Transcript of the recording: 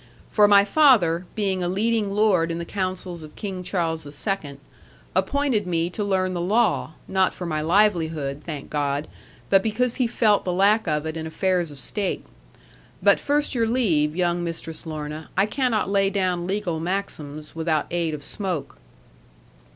For my father, being a leading lord in the councils of King Charles the Second, appointed me to learn the law, not for my livelihood, thank God, but because he felt the lack of it in affairs of state. But first your leave, young Mistress Lorna; I cannot lay down legal maxims, without aid of smoke."